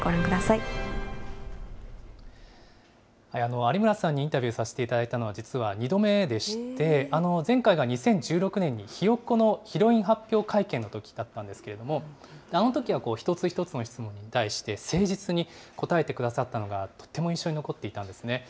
有村さんにインタビューさせていただいたのは、実は２度目でして、前回が２０１６年に、ひよっこのヒロイン発表会見のときだったんですけれども、あのときは一つ一つの質問に対して、誠実に答えてくださったのがとっても印象に残っていたんですね。